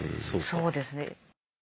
そうですね。